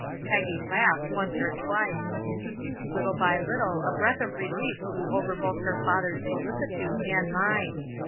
Peggy laughed once or twice. Little by little a breath of relief blew over both her father's solicitude and mine.